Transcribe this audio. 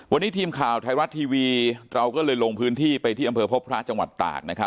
วันนี้ทีมข่าวไทยรัฐทีวีเราก็เลยลงพื้นที่ไปที่อำเภอพบพระจังหวัดตาก